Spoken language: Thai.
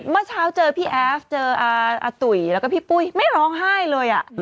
เมื่อเช้าเจอพี่แอฟเจออาตุ๋ยแล้วก็พี่ปุ้ยไม่ร้องไห้เลย